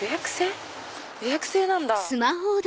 予約制なんだ。